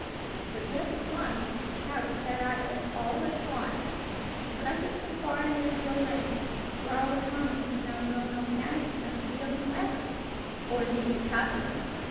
But judge if France, if Paris sat idle, all this while! Addresses from far and near flow in: for our Commons have now grown organic enough to open letters. Or indeed to cavil at them!